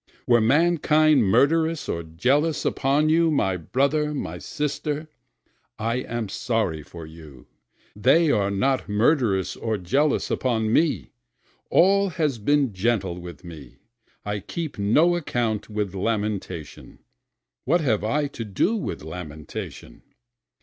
Were mankind murderous or jealous upon you, my brother, my sister? I am sorry for you, they are not murderous or jealous upon me, All has been gentle with me, I keep no account with lamentation, (What have I to do with lamentation?)